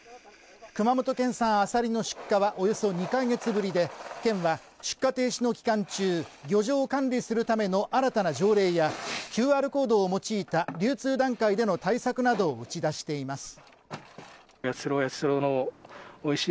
熊本県産あさりの出荷はおよそ２か月ぶりで出荷停止の期間中漁場を管理するための新たな条例やＱＲコードを用いた流通段階での対策などを打ち出しています